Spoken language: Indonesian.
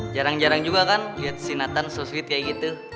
jarang jarang juga kan liat si nathan so sweet kayak gitu